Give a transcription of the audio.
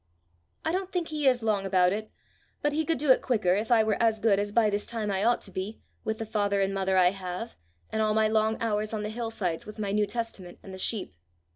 "I don't think he is long about it; but he could do it quicker if I were as good as by this time I ought to be, with the father and mother I have, and all my long hours on the hillsides with my New Testament and the sheep.